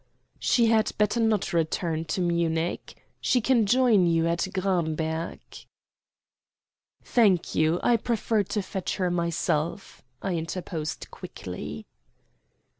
"She had better not return to Munich. She can join you at Gramberg." "Thank you, I prefer to fetch her myself," I interposed quickly.